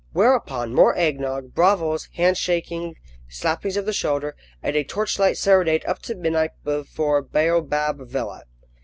Whereupon more egg nogg, bravoes, handshaking, slappings of the shoulder, and a torchlight serenade up to midnight before Baobab Villa.